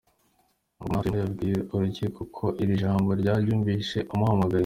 Rugomwa atuyemo, yabwiye urukiko ko iri jambo yaryumvise amuhamagaye.